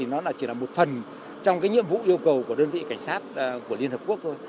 với sự thể hiện này thì nó chỉ là một phần trong nhiệm vụ yêu cầu của đơn vị cảnh sát của liên hợp quốc thôi